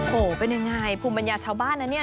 โหเป็นยังไงภูมิบรรยาชาวบ้านนะเนี่ย